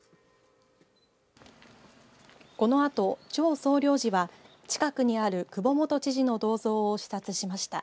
このあと張総領事は近くにある久保元知事の銅像を視察しました。